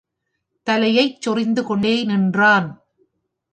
தலையைச் சொறிந்துகொண்டே நின்றான்.